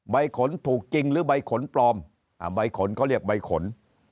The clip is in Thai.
ใบขนถูกจริงหรือใบขนปลอมใบขนเขาเรียกใบขน